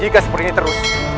jika seperti ini terus